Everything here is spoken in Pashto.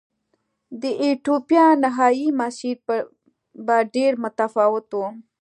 د ایتوپیا نهايي مسیر به ډېر متفاوت و.